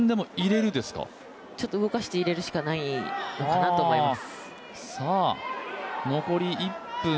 ちょっと動かして入れるしかないのかなと思います。